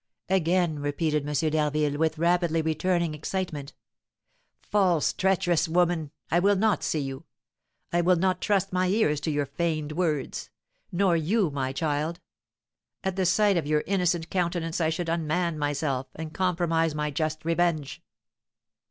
again repeated M. d'Harville, with rapidly returning excitement. "False, treacherous woman! I will not see you! I will not trust my ears to your feigned words! Nor you, my child. At the sight of your innocent countenance I should unman myself, and compromise my just revenge."